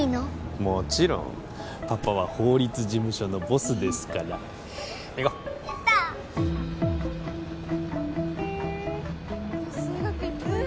もちろんパパは法律事務所のボスですから行こうやった数学いっぱいあったうわ